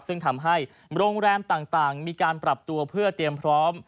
ซึ่งทำให้โรงแรมต่างมีการปรับตัวเพื่อเตรียมพร้อม